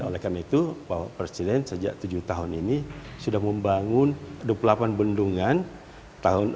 oleh karena itu bapak presiden sejak tujuh tahun ini sudah membangun dua puluh delapan bendungan